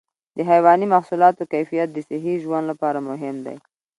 د حيواني محصولاتو کیفیت د صحي ژوند لپاره مهم دی.